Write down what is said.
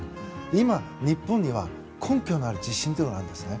今、日本には根拠のある自信があるんですね。